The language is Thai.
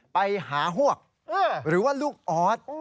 ไปหาฮวกหรือว่าลูกออส